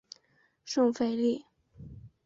圣费利。